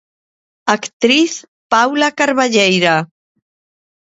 Actriz Paula Carballeira.